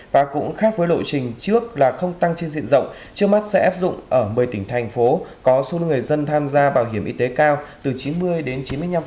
và cũng khác với lộ trình trước là không tăng trên diện rộng trước mắt sẽ áp dụng ở một mươi tỉnh thành phố có số người dân tham gia bảo hiểm y tế cao từ chín mươi đến chín mươi năm